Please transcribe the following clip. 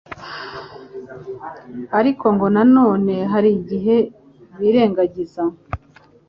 ariko ngo na none hari igihe birengagiza